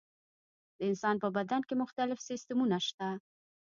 د انسان په بدن کې مختلف سیستمونه شته.